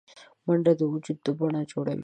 منډه د وجود د بڼه جوړوي